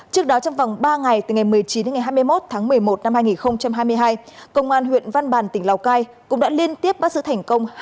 trước đó trong vòng ba ngày từ ngày một mươi chín đến ngày hai mươi một tháng một mươi một năm hai nghìn hai mươi hai công an huyện văn bàn tỉnh lào cai cũng đã liên tiếp bắt giữ thành công